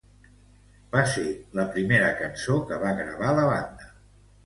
Va ser la primera cançó que va gravar la banda.